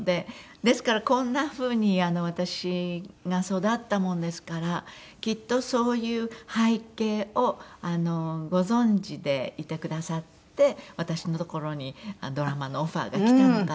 ですからこんな風に私が育ったもんですからきっとそういう背景をご存じでいてくださって私のところにドラマのオファーが来たのかなっていう風に。